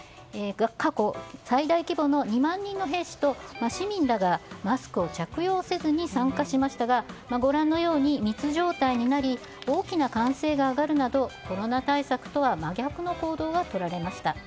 過去最大規模の２万人の兵士と市民らがマスクを着用せずに参加しましたがご覧のように密状態になり大きな歓声が上がるなどコロナ対策とは真逆の行動がとられました。